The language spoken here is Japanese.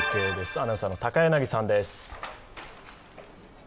アナウンサーの高柳さんです。